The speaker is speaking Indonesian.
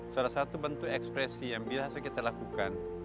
salah satu bentuk ekspresi yang biasa kita lakukan